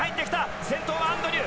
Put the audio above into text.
先頭はアンドリュー。